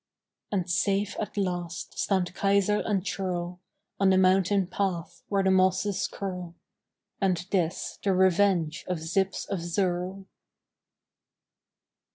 And safe at last stand Kaiser and churl On the mountain path where the mosses curl And this the revenge of Zyps of Zirl.